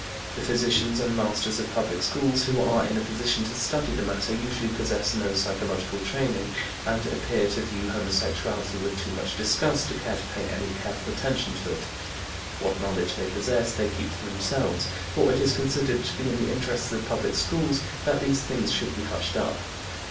The physicians and masters of public schools who are in a position to study the matter usually possess no psychological training, and appear to view homosexuality with too much disgust to care to pay any careful attention to it. What knowledge they possess they keep to themselves, for it is considered to be in the interests of public schools that these things should be hushed up.